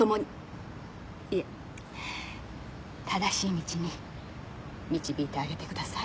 いえ正しい道に導いてあげてください。